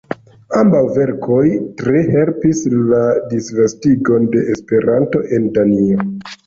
Ambaŭ verkoj tre helpis la disvastigon de Esperanto en Danio.